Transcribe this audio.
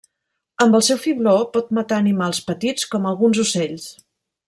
Amb el seu fibló pot matar animals petits com alguns ocells.